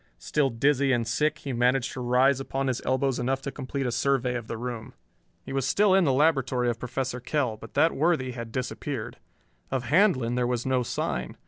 Still dizzy and sick, he managed to rise upon his elbows enough to complete a survey of the room. He was still in the laboratory of Professor Kell, but that worthy had disappeared. Of Handlon there was no sign.